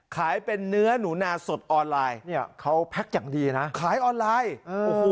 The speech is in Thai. ขายเป็นเนื้อหนูนาสดออนไลน์เนี่ยเขาแพ็คอย่างดีนะขายออนไลน์โอ้โห